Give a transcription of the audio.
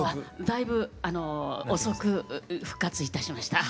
だいぶ遅く復活いたしました。